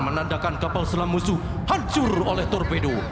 menandakan kapal selam musuh hancur oleh torpedo